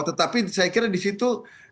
tetapi saya kira di situ